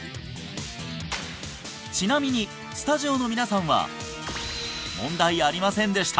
ちなみにスタジオの皆さんは問題ありませんでした